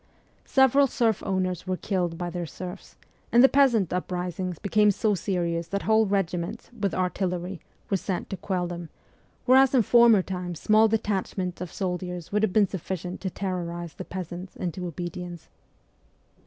Several serf owners were killed by their serfs, and the peasant uprisings became so serious that whole regiments, with artillery, were sent to quell them, whereas in former times small detachments of soldiers would have been sufficient to terrorize the peasants into obedience.